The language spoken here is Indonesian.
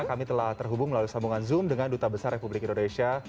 kami telah terhubung melalui sambungan zoom dengan duta besar republik indonesia